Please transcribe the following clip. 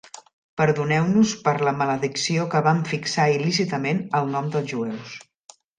Perdoneu-nos per la maledicció que vam fixar il·lícitament al nom dels jueus.